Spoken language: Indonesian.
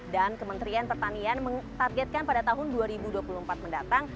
kementerian pertanian menargetkan pada tahun dua ribu dua puluh empat mendatang